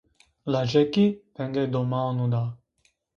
Laceki vengê domanu da.